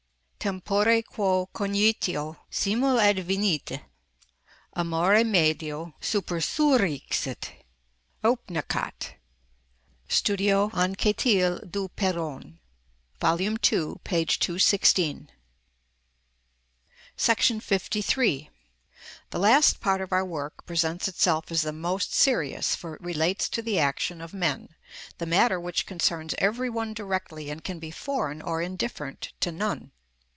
Tempore quo cognitio simul advenit, amor e medio supersurrexit.—Oupnek'hat, Studio Anquetil Duperron, vol. ii. p. 216. § 53. The last part of our work presents itself as the most serious, for it relates to the action of men, the matter which concerns every one directly and can be foreign or indifferent to none.